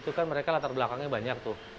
itu kan mereka latar belakangnya banyak tuh